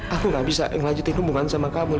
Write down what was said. aku gak bisa ngelanjutin hubungan sama kamu